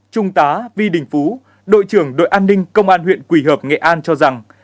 trung tá vi đình phú đội trưởng đội an ninh công an huyện quỳ hợp nghệ an cho rằng